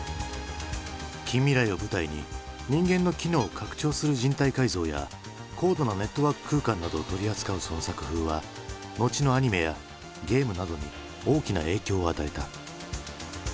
近未来を舞台に人間の機能を拡張する人体改造や高度なネットワーク空間などを取り扱うその作風は後のアニメやゲームなどに大きな影響を与えた。